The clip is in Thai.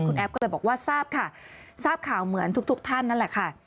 คุณแอฟก็เลยบอกว่าทราบค่ะทราบข่าวเหมือนทุกท่านนั่นแหละค่ะ